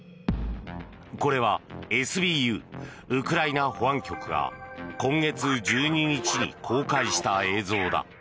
これはＳＢＵ・ウクライナ保安局が今月１２日に公開した映像だ。